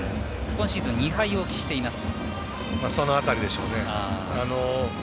今シーズン２敗を喫しています。